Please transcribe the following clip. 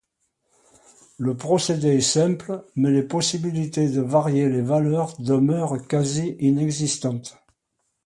Le procédé est simple mais les possibilités de varier les valeurs demeurent quasi inexistantes.